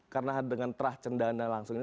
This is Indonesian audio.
karena dengan terah cendana langsung ini